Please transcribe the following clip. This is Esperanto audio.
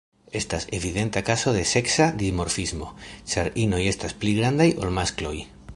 Estas evidenta kazo de seksa dimorfismo, ĉar inoj estas pli grandaj ol maskloj.